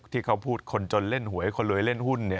ที่เขาพูดคนจนเล่นหวยคนรวยเล่นหุ้น